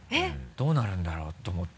どうなるんだろうと思って。